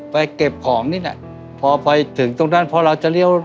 เก็บของนี่น่ะพอไปถึงตรงนั้นพอเราจะเลี้ยว